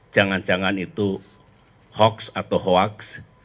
jangan jangan itu hoax atau hoaks